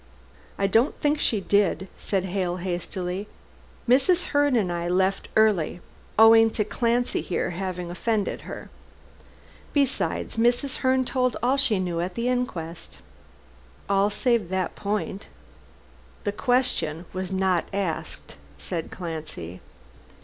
"I don't think she did," said Hale hastily. "Mrs. Herne and I left early, owing to Clancy here having offended her. Besides, Mrs. Herne told all she knew at the inquest." "All save that point." "The question was not asked," said Clancy.